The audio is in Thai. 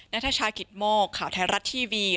นัทชากิตโมกข่าวไทยรัฐทีวี